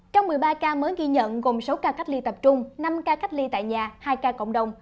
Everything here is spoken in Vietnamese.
trong một mươi ba ca mới ghi nhận gồm sáu ca cách ly tập trung năm ca cách ly tại nhà hai ca cộng đồng